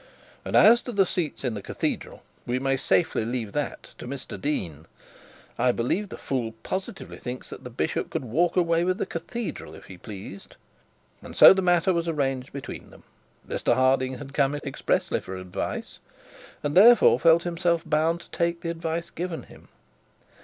And as to the seats in the cathedral, we may safely leave that to Mr Dean. I believe the fool positively thinks that the bishop could walk away with the cathedral, if he pleased.' And so the matter was arranged between them. Mr Harding had come expressly for advice, and therefore felt himself bound to take the advice given him.